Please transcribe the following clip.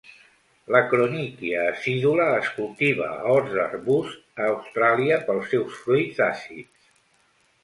L'Acronychia acidula es cultiva a horts d'arbusts a Austràlia pels seus fruits àcids.